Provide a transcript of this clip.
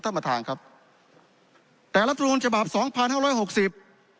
ท่านประธานครับแต่รัฐมนูลฉบับสองพันห้าร้อยหกสิบ